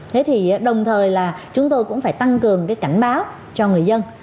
thế thì đồng thời là chúng tôi cũng phải tăng cường cái cảnh báo cho người dân